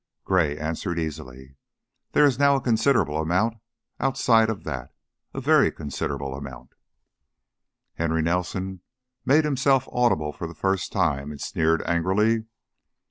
Gray answered, easily. "There is now a considerable amount outside of that. A very considerable amount." Henry Nelson made himself audible for the first time, and sneered angrily.